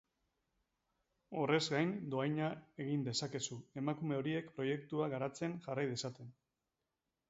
Horrez gain, dohaina egin dezakezu, emakume horiek proiektuak garatzen jarrai dezaten.